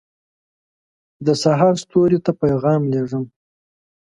دسحرستوري ته پیغام لېږم